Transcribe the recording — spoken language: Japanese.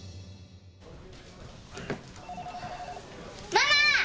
ママ！